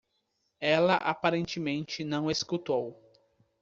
Ela aparentemente não escutou.